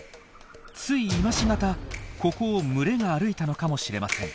つい今し方ここを群れが歩いたのかもしれません。